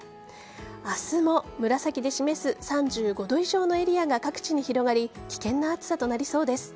明日も紫で示す３５度以上のエリアが各地に広がり危険な暑さとなりそうです。